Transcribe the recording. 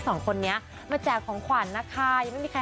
ตอนนั้นดูสิให้มารบมือ